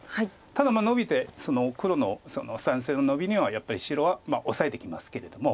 ただノビて黒の３線のノビにはやっぱり白はオサえてきますけれども。